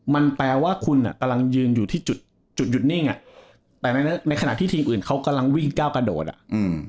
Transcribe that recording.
มันแปลว่าคุณอ่ะกำลังยืนอยู่ที่จุดจุดหยุดนิ่งอ่ะแต่ในในขณะที่ทีมอื่นเขากำลังวิ่งก้าวกระโดดอ่ะอืม